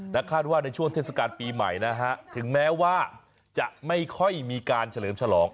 และคาดว่าในช่วงเทศกาลปีใหม่นะฮะถึงแม้ว่าจะไม่ค่อยมีการเฉลิมฉลอง